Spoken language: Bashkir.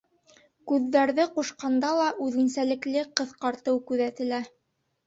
Күҙҙәрҙе ҡушҡанда ла үҙенсәлекле ҡыҫҡартыу күҙәтелә.